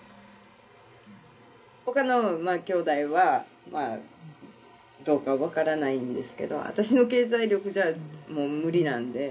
他の兄弟はどうかわからないんですけど私の経済力じゃもう無理なんで。